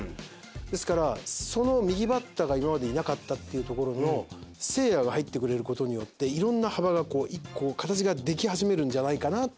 ですからその右バッターが今までいなかったっていうところの誠也が入ってくれる事によって色んな幅がこう形ができ始めるんじゃないかなっていう。